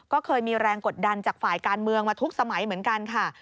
ก็เคยมีแรงกดดันจากฝ่ายการเมืองมาทุกสมัยเหมือนกันค่ะ